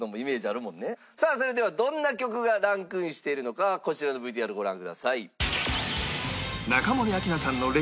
さあそれではどんな曲がランクインしているのかこちらのＶＴＲご覧ください。